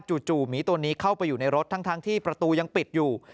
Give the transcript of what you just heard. จู่หมีตัวนี้เข้าไปอยู่ในรถทั้งที่ประตูยังปิดอยู่